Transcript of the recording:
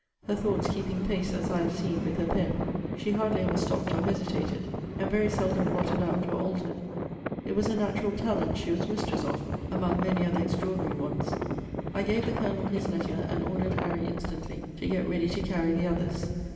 Her thoughts keeping pace, as I have seen, with her pen, she hardly ever stopped or hesitated; and very seldom blotted out, or altered. It was a natural talent she was mistress of, among many other extraordinary ones. I gave the Colonel his letter, and ordered Harry instantly to get ready to carry the others.